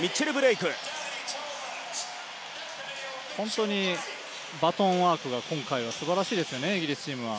本当にバトンワークが今回はすばらしいですね、イギリスチームは。